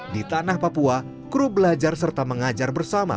di tanah papua kru belajar serta mengajar bersama